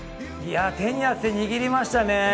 手に汗握りましたね。